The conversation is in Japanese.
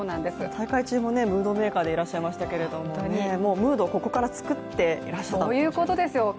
大会中もムードメーカーでいらっしゃいましたけどムード、ここから作っていらしていたということですね。